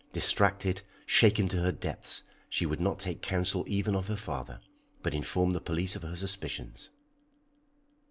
Distracted, shaken to her depths, she would not take counsel even of her father, but informed the police of her suspicions.